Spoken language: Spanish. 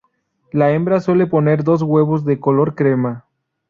La hembra suele poner dos huevos de color crema.